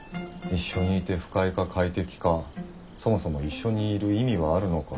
一緒にいて不快か快適かそもそも一緒にいる意味はあるのか。